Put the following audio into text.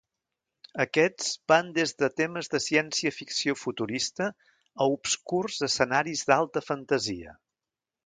Aquests van des de temes de ciència ficció futurista a obscurs escenaris d'alta fantasia.